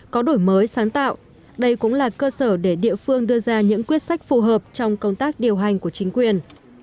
có đổi mới sáng tạo đây cũng là cơ sở để địa phương đưa ra những quyết sách phù hợp trong công tác điều hành của chính quyền